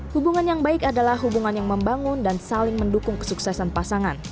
hubungan yang baik adalah hubungan yang membangun dan saling mendukung kesuksesan pasangan